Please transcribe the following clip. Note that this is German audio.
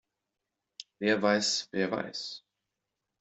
Wer weiß, wer weiß?